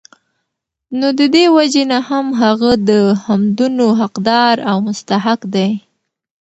نو د دي وجي نه هم هغه د حمدونو حقدار او مستحق دی